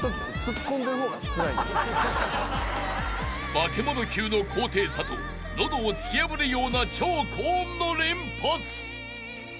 ［化け物級の高低差と喉を突き破るような超高音の連発］